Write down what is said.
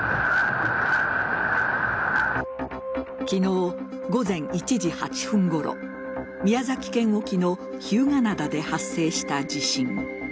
昨日午前１時８分ごろ宮崎県沖の日向灘で発生した地震。